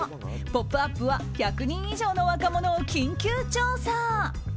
「ポップＵＰ！」は１００人以上の若者を緊急調査。